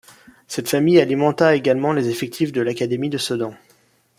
Cette famille alimenta également les effectifs de l'académie de Sedan.